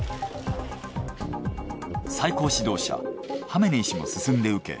最高指導者ハメネイ師も進んで受け